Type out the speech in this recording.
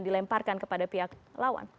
dilemparkan kepada pihak lawan